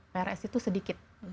prs itu sedikit